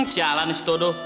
sialan nih si todoh